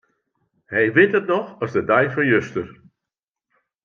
Hy wit it noch as de dei fan juster.